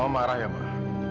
mama marah ya mak